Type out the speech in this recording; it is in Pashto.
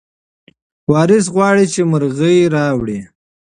وارث غواړي چې مرغۍ راوړي.